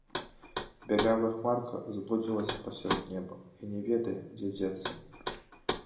Бялявая хмарка заблудзілася пасярод неба і не ведае, дзе дзецца.